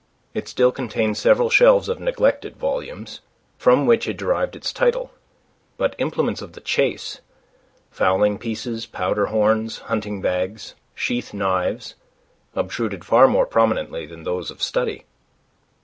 It still contained several shelves of neglected volumes, from which it derived its title, but implements of the chase fowling pieces, powder horns, hunting bags, sheath knives obtruded far more prominently than those of study.